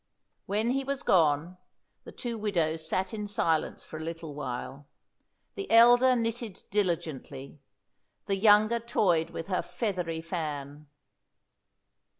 When he was gone, the two widows sat in silence for a little while. The elder knitted diligently; the younger toyed with her feathery fan.